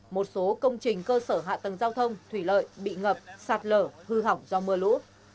một số công trình cơ sở hạ tầng giao thông thủy lợi bị ngập sạt lở hư hỏng do mưa lũ